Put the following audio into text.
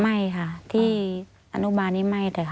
ไม่ค่ะที่อนุบาลนี้ไม่แต่ค่ะ